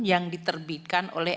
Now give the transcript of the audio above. yang diterbitkan oleh